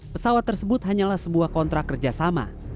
pesawat tersebut hanyalah sebuah kontrak kerjasama